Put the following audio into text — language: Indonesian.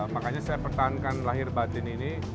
makanya saya pertahankan lahir batin ini